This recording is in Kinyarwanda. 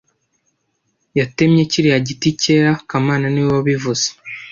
Yatemye kiriya giti cyera kamana niwe wabivuze (